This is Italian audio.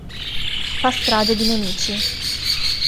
Fa strage di nemici.